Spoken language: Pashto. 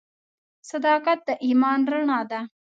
• صداقت د ایمان رڼا ده.